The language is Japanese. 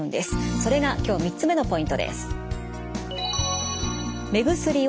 それが今日３つ目のポイントです。